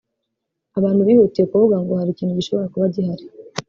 Abantu bihutiye kuvuga ngo hari ikintu gishobora kuba gihari